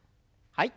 はい。